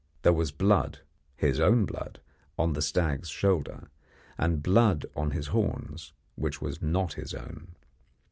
There was blood his own blood on the stag's shoulder, and blood on his horns, which was not his own.